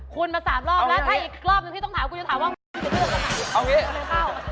คุณมา๓รอบแล้วถ้าอีกรอบหนึ่งที่ต้องถามคุณจะถามว่าคุณจะเลือกราคา